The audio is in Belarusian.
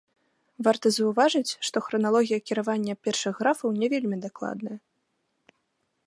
Варта заўважыць, што храналогія кіравання першых графаў не вельмі дакладная.